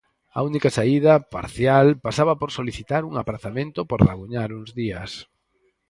A única saída, parcial, pasaba por solicitar un aprazamento, por rabuñar uns días.